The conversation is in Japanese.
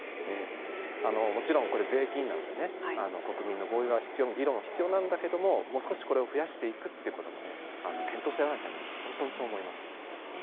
もちろんこれ税金なので国民の合意が必要議論が必要なんだけどもう少しこれを増やしていくということも検討しなければいけないと本当にそう思います。